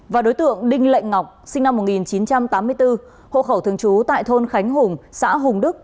và đối tượng đinh lệnh ngọc sinh năm một nghìn chín trăm tám mươi bốn hộ khẩu thường trú tại thôn khánh hùng xã hùng đức